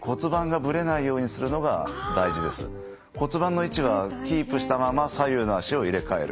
骨盤の位置はキープしたまま左右の脚を入れかえる。